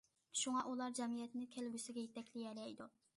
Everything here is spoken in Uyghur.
شۇڭا ئۇلار جەمئىيەتنى كەلگۈسىگە يېتەكلىيەلەيدۇ.